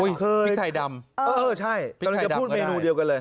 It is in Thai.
อุ้ยเคยพริกไทยดำเออเออใช่พูดเมนูเดียวกันเลย